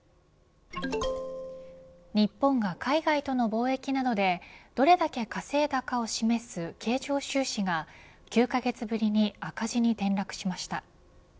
日本が海外との貿易などでどれだけ稼いだかを示す経常収支が９カ月ぶりに赤字に転落しました。